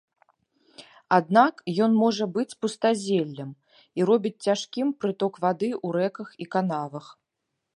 Аднак ён можа быць пустазеллем, і робіць цяжкім прыток вады ў рэках і канавах.